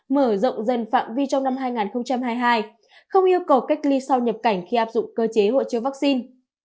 mở rộng dần phạm vi trong năm hai nghìn hai mươi hai không yêu cầu cách ly sau nhập cảnh khi áp dụng cơ chế hộ chiếu vắc xin